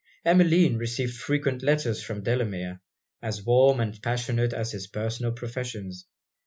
Emmeline received frequent letters from Delamere, as warm and passionate as his personal professions.